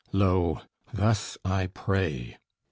Lo, thus I pray.